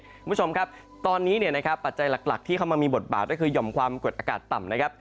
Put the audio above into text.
คุณผู้ชมครับตอนนี้เนี่ยนะครับปัจจัยหลักที่เข้ามามีบทบาทก็คือห่อมความกดอากาศต่ำนะครับ